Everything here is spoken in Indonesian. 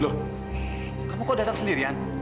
loh kamu kok datang sendirian